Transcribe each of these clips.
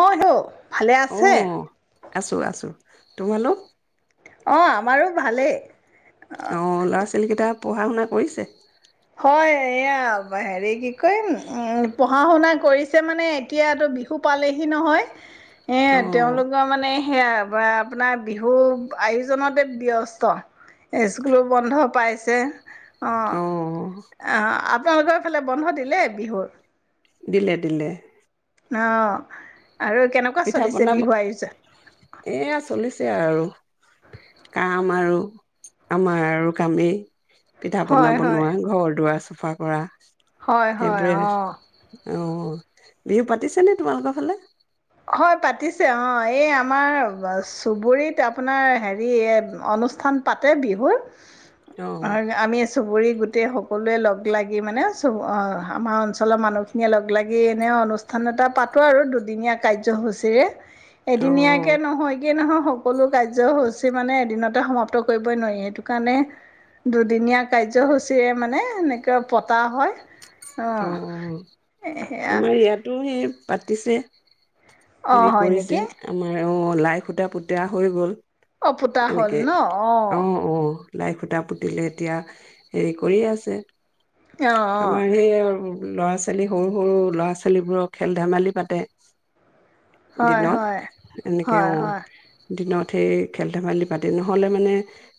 অ হ' ভালে অ আছে আছো আছো তোমালোক অ আমাৰো ভালেই অ ল'ৰা ছোৱালী কেইটাত পঢ়া শুনা কৰিছে হয় এয়া বাহৰে কি ক পঢ়া শুনা কৰিছে মানে এতিয়াতো বিহু পালেহি নহয় অ এ তেওঁলোকৰ মানে সেয়া আপোনাৰ বিহু আয়োজনতে ব্যস্ত স্কুলো বন্ধ পাইছে অঁ অ অ আ গৰ ফালে বন্ধ দিলেই বিহুৰ দিলে দিলে আহ আৰু কেনেকুৱা পিঠা চলিছে পনা বিহুৱোজাত এ আৰু কাম আৰু আমাৰ আৰু কামেই পিঠা পনা হয় হয় বনোৱা ঘৰ দুৱাৰ চব চাফা কৰা [inaudible] হয় হয় সেইবোৰে আহ। অ বিহু পাতিছ নে? তোমালোকৰ ফালে হয় পাতিছে অঁ এই আমাৰ চুবুৰীত আপোনাৰ হেৰি অনুষ্ঠান পাতে বিহুৰ।। অ হয় আমি [inaudible] চুবুৰী গোটেই সকলোৱে লগ লাগি। মানে চব আমাৰ অঞ্চলৰ মানুহখিনিয়ে লগ লাগি এনেই অনুষ্ঠান এটা পাতোঁ আৰু দুদিনীয়া।। কাৰ্যসূচীৰে।। অ এদিনীয়াকে নহয় গে নহয় সকলো কাৰ্যসূচী।। মানে এদিনতে সমাপ্ত কৰিবই নোৱাৰি। সেইটো কাৰণে দুদিনীয়া কাৰ্যসূচীৰে মানে এেনেকৈ পতা হয়। অ সেয়া আমাৰ ইয়াতো সেই।। পাতিছে।। অ' হেৰি হয় নেকি কৰিছে আমাৰ।। আৰু লাই সূতা পুতা হৈ গ'ল। অ পোতা হ'ল এনেকে ন? অ লাই সুতা পুতিলে এতিয়া হেৰি কৰি আছে। আহ আহ আমাৰ সেই ল'ৰা ছোৱালী সৰু সৰু ল'ৰা ছোৱালীবোৰক খেল- ধেমালি পাতে। হয় দিনত হয় এনেকে হয় অ', হয়। দিনত সেই খেল -ধেমালি পাতে। নহ'লে মানে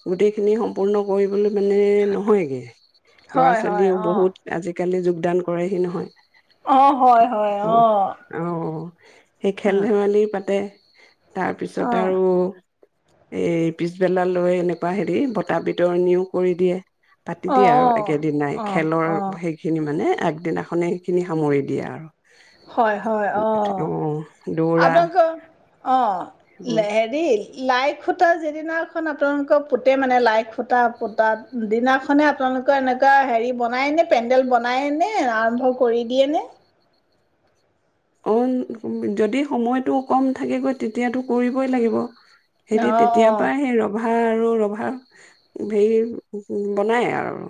গোটেইখিনি সম্পূৰ্ণ কৰিবলৈ।। মানে নহয়গে ল'ৰা হয় হয় ছোৱালীও অ বহুত আজিকালি।। কোললে যু [inaudible] দান কৰেহি নহয়। অ হয় হয় অ। অ', সেই অ খেল- ধেমালি পাতে। অ তাৰপিছত আৰু।। এ পিছবেলা লৈ এনেকুৱা হেৰি বতা বিতৰণিও কৰি দিয়ে। পাতি অ অ দিয়ে আৰু একেদিনাই। অ খেলৰ অ সেইখিনি মানে আগদিনাখনেই সেইখিনি সামৰি দিয়ে আৰু।। হয় হয় অ দৌৰা আপোনালোকৰ? অ সেইবোৰ হেৰি লাই খুটা যিদিনাখন আপোনালোকৰ পোতে মানে, লাই খুটা যি দিনা খন আপোনালোকৰ পোতে মানে, লাই খুটা পোতা দিনাখনে আপোনালোকৰ এনেকুৱা হেৰি বনায় নে? পেণ্ডেল বনাই নে? আৰম্ভ কৰি দিয়ে নে? অ যদি সময়টো কম থাকেগৈ তেতিয়াতো কৰিবই লাগিব। সেইটো অ অ তেতিয়াৰ।। পৰা সেই ৰভা আ আৰু ৰভা হেৰি বনায় আৰু।।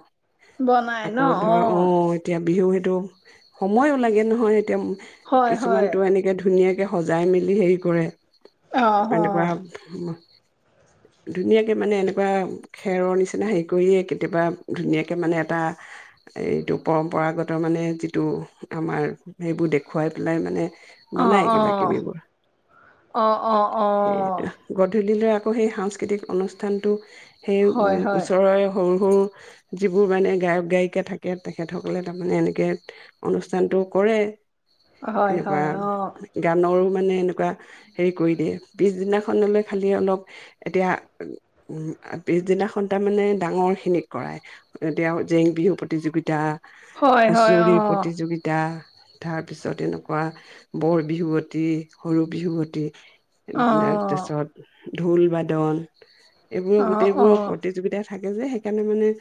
বনাই ন আকৌ ধৰা অ এতিয়া বিহু।। কিটো সময়ো লাগে নহয় এতিয়া হয় কিছুমান হয় তো এনেকে ধুনীয়াকে সজাই মেলি হেৰি কৰে অ অ এনেকোৱা ধুনীয়াকে মানে এনেকুৱা খেৰৰ নিচিনা হেৰি কৰিয়েই কেতিয়াবা ধুনীয়াকে মানে এটা এইটো পৰম্পৰাগত মানে যিটো আমাৰ সেইবোৰ খুৱাই পেলাই মানে অ বনাই কিবা অ কিবিবোৰ অ', অ', সেইটো অ', গধূলিলৈ আকৌ সেই সাংস্কৃতিক অনুষ্ঠানটো সেই হয়, হয়, ওচৰৰে সৰু সৰু যিবোৰ মানে গায়ক গায়িকা থাকে তেখেতসকলে তাৰমানে এনেকৈ অনুষ্ঠানটো কৰে হয়, এনেকুৱা হয়, অ', গানৰো মানে এনেকুৱা হেৰি কৰি দিয়ে পিছদিনাখনলৈ খালি অলপ এতিয়া পিছদিনাখন তাৰমানে ডাঙৰখিনিক কৰায় এতিয়া জেং বিহু প্ৰতিযোগিতা হয়, হয়, হুচৰি অ', প্ৰতিযোগিতা তাৰপিছত এনেকুৱা বৰ বিহুৱতী সৰু বিহুৱতী তাৰ অ', পাছত ঢোল বাদন এইবোৰৰ অ', গোটেইবোৰ অ', প্ৰতিযোগিতা থাকে যে সেইকাৰণে মানে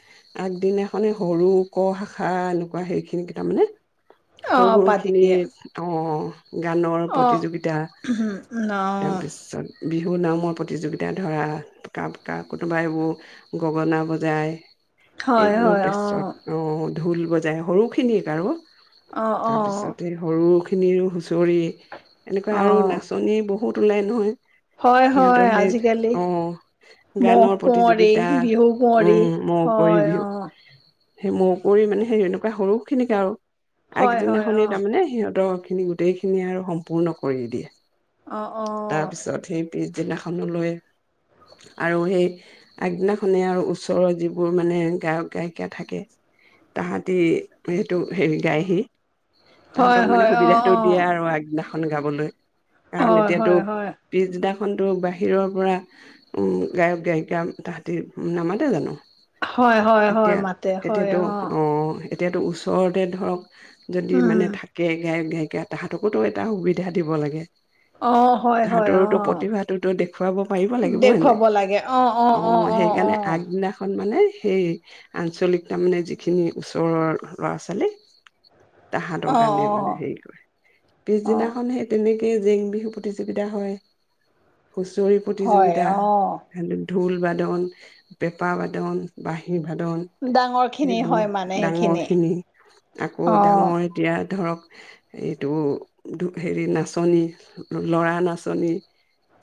আগদিনাখনে সৰু ক শাখা এনেকুৱা সেইৰিখিনিকেই কেইটা মানে সৰু অ', পাতি দিয়ে সৰুখিনিত অ গানৰ অ', প্ৰতিযোগিতা তাৰ অ', পিছত বিহু নামৰ প্ৰতিযোগিতা ধৰা পতা পতা কোনোবা এইবোৰ গগনা বজায় হয়, এইবোৰ হয়, অ', তেচত অ ঢোল বজায় সৰুখিনিত আৰু অ', অ', তাৰপিছত এই সৰু সৰু খিনিৰো হুঁচৰি এনেকুৱা আৰু অ', লাচনী বহুত বহুত ওলাই নহয় হয় সিহঁতৰ হয় সেই আজিকালি অঁ মহ গানৰ কুঁৱৰী প্ৰতিযোগিতা বিহু কুঁৱৰী উম মৌ কুঁৱৰী হয় বিহু অ সেই মোৰ কৰি মানে সেই এনেকুৱা সৰুখিনিকে আৰু হয়, হয়, আগদিনাখনেই অ', তাৰমানে সিহঁতৰ খিনি গোটেই খিনিয় আৰু সম্পূৰ্ণ কৰি দিয়ে অ অ তাৰপিছত সেই পিছদিনাখনলৈ আৰু সেই আগদিনাখনেই আৰু ওচৰৰ যিবোৰ মানে গায়ক গায়িকা থাকে তাহাঁতি সেইটো হেৰি গায়হি হয়, তাহতক মানে হয়, অ', সুবিধাটো দিয়ে অ', আৰু আগদিনা গান গাবলৈ কাৰণ হয়, এতিয়াতো হয়, হয়, পিছদিনা কিমানটো বাহিৰৰ পৰা গায়ক গায়িকা তাহাঁতি নামতে জানো হয় হয় হয় এতিয়া মাতে হয় এতিয়াতো অঁ অ এতিয়াতো ওচৰতে ধৰক [inaudible] যদি মানে উম, থাকে গাই দিয়ে তে তাহাঁতকোতো এটা সুবিধা দিব লাগে অ', হয়, হয়, তাহতৰতো অ', প্ৰতিভাটোতো দেখুৱাব পাৰিব লাগিব এনে অ সেইকাৰণে আগদিনাখন মানে সেই আঞ্চলিক তাৰমানে যিখিনি ওচৰৰ ল'ৰা ছোৱালী তাহাঁতৰ কাৰণে মানে অ', হেৰি কৰে অ', পিছদিনাখন সেই তেনেকে গোটেই জেং বিহু প্ৰতিযোগিতা হয় হুঁচৰি হয়, প্ৰতিযোগিতা অ', ঢোল বাদন পেঁপা বাদন বাঁহী সাধাৰণ ডাঙৰখিনি হয় সেইবোৰ মানে ডাঙৰ সেইখিনি খিনি কত অ', ডাঙৰ এতিয়া ধৰক এইটো নচ লৰা নাচনী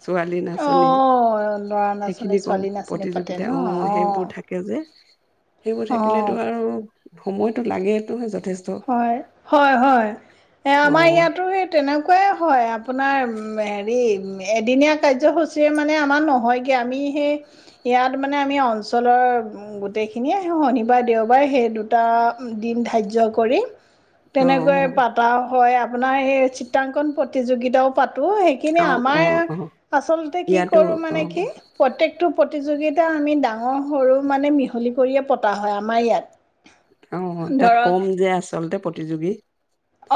ছোৱালী নাচনী অ', ল'ৰা নাচনী সেইখিনি কম ছোৱালী নাচনী পাতে ন প্ৰতিযোগিতা অঁ অ', সেইবোৰ থাকে যে সেইবোৰ অ'। থাকিলেতো আৰু সময়তটো লাগেটোহে যথেষ্ট হয় হয় হয় এ আমাৰ অ', ইয়াতো স তেনেকুৱাই হয় আপোনাৰ হেৰি এদিনীয়া কাৰ্যসূচীৰে মানে আমাৰ নহয়গে আমি সেই ইয়াত মানে আমি অঞ্চলৰ গোটেইখিনিয় শনিবাৰে দেওবাৰে সেই দুটা দিন ধায্য কৰি তেনেকৈ অ', পাতা হয় আপোনাৰ এই চিত্ৰাংকন প্ৰতিযোগিতাও পাতে সেইখিনি অ', আমাৰ অ', অ', আচলতে কি ইয়াতো কৰো মানে কি অ', প্ৰত্যেকটো প্ৰতিযোগিতা আমি ডাঙৰ সৰু মানে মিহলি কৰিয়ে পতা হয় আমাৰ ইয়াত অঁ তাত কম যে আছে আচলতে প্ৰতিযোগী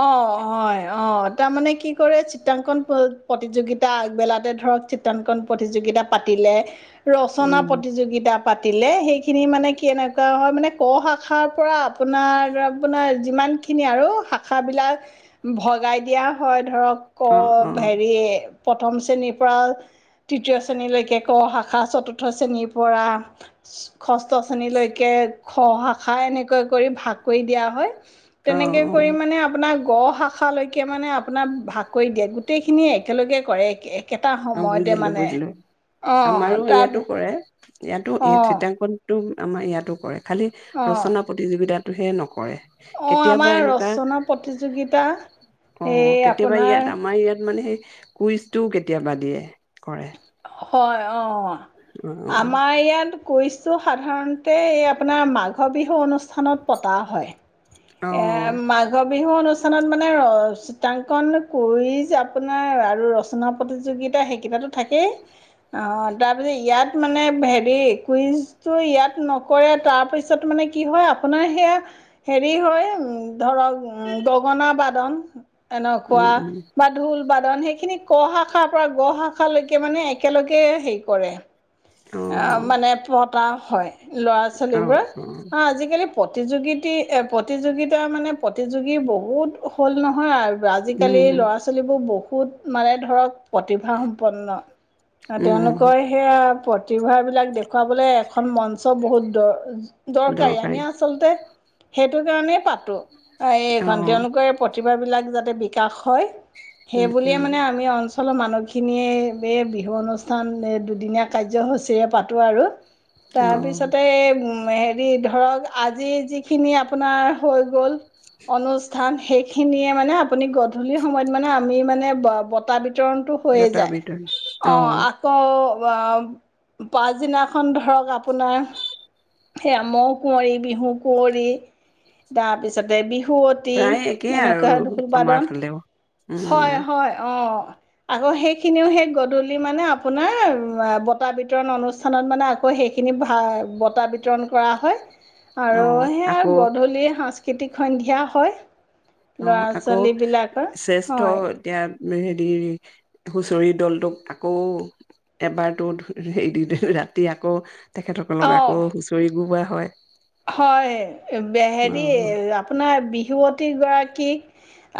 অঁ অঁ অঁ তাৰমানে কি কৰে চিত্ৰাংকন প্ৰতিযোগিতা আগবেলাতে ধৰক চিত্ৰাংকন প্ৰতিযোগিতা পাতিলে ৰচনা উম, প্ৰতিযোগিতা পাতিলে সেইখিনি মানে কি এনেকুৱা হয় মানে ক শাখাৰ পৰা আপোনাৰ আপোনাৰ যিমানখিনি আৰু শ আষাবিলাক ভগাই দিয়া হয় ধৰক ক অ', অ', ভেৰি প্ৰথম শ্ৰেণীৰ পৰা তৃতীয় শ্ৰেণীলৈকে ক-শাখা চতুৰ্থ শ্ৰেণীৰ পৰা ষ্ ত', শ্ৰেনীলৈকে, খ - শাখা, খাই এনেকৈ কৰি ভাগ কৰি দিয়া হয়। অ', তেনেকে কৰি অ', মানে, - আপোনাৰ গ- শাখালৈকে মানে আপোনাক ভাগ কৰি দিয়ে। গোটেইখিনিয়ে একেলগে কৰে। একেইটা অ', সময়তে বুজিলোঁ মানে। বুজিলোঁ। অঁ আমাৰো তাৰ ইয়াতো কৰে, ইয়াতো, এই অঁ চিত্ৰাংকন, - টো আমাৰ ইয়াতো কৰে। খালি ৰচনা -প্ৰতিযোগিতাত, সেইটোহে নকৰে। অহ ', কেতিয়াবা আমাৰ এনেকুৱা ৰচনা প্ৰতিযোগিতা, এই আপোনাৰ, কুইজটো কে কেতিয়াবা দিয়ে। কৰে, হয় ', -অহ অ', ', অ', আমাৰ ইয়াত কৈছো সাধাৰণতে এই আপোনাৰ মাঘ বিহু অনুষ্ঠানত পতা হয়। এ', অ', মাঘ, বিহু অনুষ্ঠানত মানে ৰ, ' চিত্ৰাংকন, কুইজ আপোনাৰ আৰু ৰচনা- প্ৰতিযোগিতা, সেইকেইটাতো থাকেই। অ তাৰপিছত ইয়াত মানে হেৰি কুইজটো ইয়াত নকৰে তাৰপিছত মানে কি হয় আপোনাৰ সেয়া হেৰি হয় উম ধৰক গগনা বাদন এনেকুৱা উম, উম, বা ঢোল- বাদন সেইখিনি, ক-শাখাৰ পৰা গ-শাখালৈকে মানে একেলগে হেৰি কৰে। অ', অ'। মানে পট, - পতা হয় ল'ৰা ছোৱালী বোৰ, অ' আজিকালি প্ৰতিযোগীতি প্ৰতিযোগিতা মানে প্ৰতিযোগী বহুত হ'ল নহয় আৰু উম, আজিকালি উম, ল'ৰা ছোৱালী বোৰ বহুত [unintelligible] প্ৰতিভাসম্পন্ন আৰু উম, তেওঁলোকৰ সেয়া প্ৰতিভা বিলাক দেখুৱা য়াবলৈ এখন মঞ্চ চ বহুত ড- দৰকাৰী আমি আচলতে- সেইটো কাৰণেই পাত- এইখন, অ', তেওঁলোকৰ এই প্ৰতিভাবিলাক যাতে- বিকাশ হয়। সেই উম, বুলিয়ে উম, মানে আমি অল- লৰ মানুহখিনিয়ে বে [unintelligible] অনুষ্ঠান এই দুদিনীয়া কাৰ্যসূচীৰে পাতো আৰু। তাৰ অ', পিছতে- উম- হে- ধৰক আজি যিখিনি আপোনাৰ হৈ গ'ল, অনুষ্ঠান শেষ। সেইখিনিয়ে মানে আপুনি গধূলি সময়ত মানে আমি মানে বতা বিতৰণ বিতৰণটো হৈয়ে বটা বিতৰণ যায়। অঁ অ- আকৌ পাছদিনাখন ধৰক আপোনাৰ সেইয়া মৌ কুঁৱৰী, বিহু কুঁৱৰী, তাৰপিছতে বিহু- বিহুৱতী প্ৰায় একেই আৰু এনেকুৱা আমাৰ ঢোল-বাদন, ফালেও। উম, হয়- হয় অ- আকৌ সেইখিনিও সেই গ- গধূলি মানে আপোনাৰ বটা- বিতৰণ অনুষ্ঠানত মানে আকৌ সেইখিনি বটা- বিতৰণ কৰা হয়। আৰু অ', আকৌ সেয়া গধূলি স- সাংস্কৃতিক সন্ধিয়া হয়। ল'ৰা অ-আকৌ ছোৱালীবিলাকৰ শ্ৰেষ্ঠ হয় এতিয়া- হেৰি হুচৰি দলটোক আকৌ- এবাৰতো হে-ৰাতি আকৌ- তেখেতসকলক অঁ আকৌ হুঁচৰি গোৱা - হয়। হয়- অ', হেৰি- আপোনাৰ বি- বিহুৱতী গৰাকীক,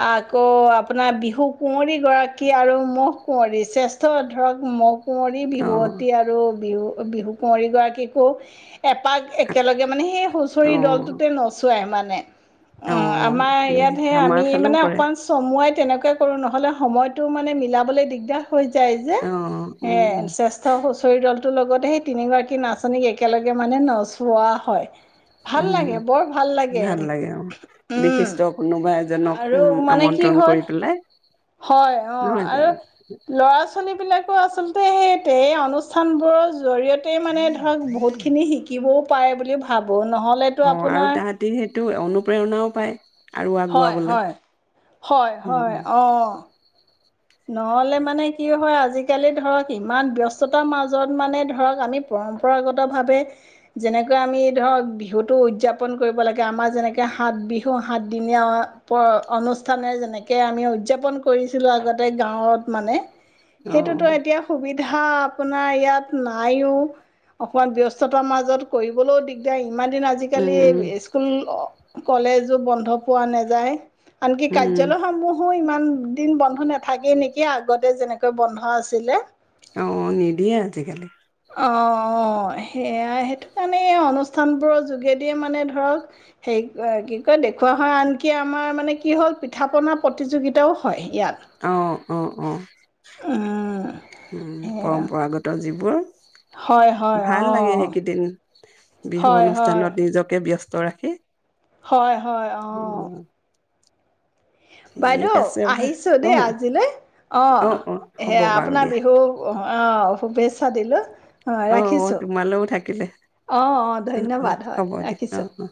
আকৌ আপোনাৰ বিহু কুঁৱৰীগৰাকী আৰু মৌ কুঁৱৰী শ্ৰেষ্ঠ ধৰক মৌ- কুঁৱৰী অ', বিহুৱতী আৰু বিহু। বিহু কুঁৱৰীগৰাকীকো- এপাক একেলগে- মানে সেই হুঁচৰি অ', দলটোতে নচোৱাই। সমানে- অ আমাৰ ইয়াত সেই আমাৰ আমি ফালেও মানে কৰে। অকমান চমুৱাই- তেনেকৈ কৰোঁ নহ'লে সময়টো মানে মিলাবলৈ দিগদাৰ। হৈ যায় যে অ', সেয়ে উম, শ্ৰেষ্ঠ হুচৰিদল- টোৰ লগতে, সেই তিনিগৰাকী নাচনীক একেলগে মানে নচোৱা হয়। ভাল উম লাগে বৰ লাগে ভাল লাগে‌ অ' উম বিশিষ্ট কোনোবা এজনক আৰু উম মানে কি আমন্ত্ৰণ হয় কৰি পেলাই হয় অ‌ নহয় জানো আৰু ল'ৰা-ছোৱালীবিলাক আচলতে, সেই অনুষ্ঠানবোৰৰ জৰিয়তে মানে, ধৰক বহুতখিনি শিকিবও পাৰে বুলি ভাৱো অ', আৰু তাহঁতি সেইটো অনুপ্ৰেৰণাও পায়। আৰু হয়, আগুৱাবলৈ হয়, হয়, হয়।, উম অ'। নহ'লে মানে কি হয় আজিকালি ধৰক ইমান ব্যস্ততাৰ মাজত মানে ধৰক আমি পৰম্পৰাগতভাৱে যেনেকৈ আমি ধৰক বিহুটো উদযাপন কৰিব লাগে। আমাৰ যেনেকৈ সাত বিহু, সাতদিনীয়া অনুষ্ঠানে যেনেকে আমি উদযাপন কৰিছিলোঁ আগতে গোটেই গাঁৱত মানে অ সেইটোতো এতিয়া সুবিধা হাঁ, আপোনাৰ ইয়াত নাইও। অকণমান ব্যস্ততাৰ মাজত কৰিবলৈও দিগদাৰ ইমান দিন আজি উম কালি উম স্কুল অ কলেজো বন্ধ পোৱা নাযায় আনকি উম কাৰ্যালয়সমূহো ইমান দিন বন্ধ নেপ থাকে নেকি, আগতে যেনেকৈ বন্ধ আছিলে অ নিদিয়ে আজিকালি অ অ সেয়া সেইটো কাৰণে অনুষ্ঠানবোৰৰ যোগেদিয়ে মানে ধৰক হেৰি কি কয় দেখুওৱা হয়। আনকি আমাৰ মানে কি হ'ল পিঠা-পনা প্ৰতিযোগিতাও হয় ইয়াত অ অ অ‌ উম উম সেয়া পৰম্পৰাগত যি বোৰ হয় হয় ভাল লাগে। অ সেইকেইদিন বিহু হয় হয় অনুষ্ঠানত নিজকে ব্যস্ত ব্যস্ত ৰাখি হয়। হয় অঁ উম। ঠিক বাইদেউ আছে আহিছো বাৰু অ দেই আজিলৈ। অ‌ অ অ হ'ব সেয়া, বাৰু আপোনাৰ দিয়া বিহু অ', অহ। শুভেচ্ছা দিলোঁ। অঁ অ অ ৰাখিছোঁ তোমালৈও থাকিলে অঁ অঁ অ অ ধন্যবাদ হয় হ'ব দিয়া। অ ৰাখিছোঁ অ